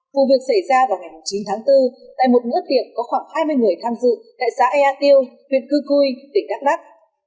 vụ việc xảy ra vào ngày chín tháng bốn tại một ngưỡng tiện có khoảng hai mươi người tham dự tại xã ea tiêu huyện cư cui tỉnh đắk lắc